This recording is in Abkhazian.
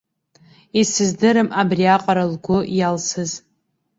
Исыздырам абриаҟара лгәы иалсыз.